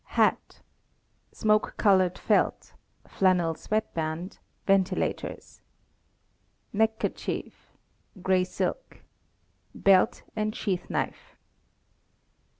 Hat (smoke colored felt, flannel sweat band, ventilators). Neckerchief (gray silk). Belt and sheath knife.